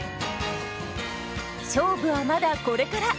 勝負はまだこれから。